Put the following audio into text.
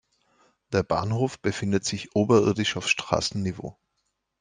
Der Bahnhof befindet sich oberirdisch auf Straßenniveau.